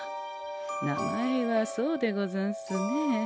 名前はそうでござんすね。